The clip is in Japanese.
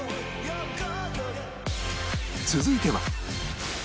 続いては